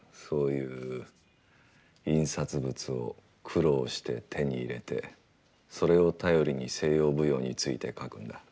そういう印刷物を苦労して手に入れてそれを頼りに西洋舞踊について書くんだ。